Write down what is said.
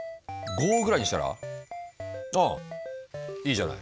５ぐらいにしたらああいいじゃない。